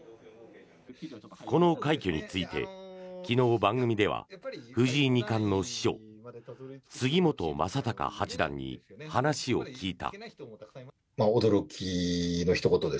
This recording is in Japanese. この快挙について昨日、番組では藤井二冠の師匠杉本昌隆八段に話を聞いた。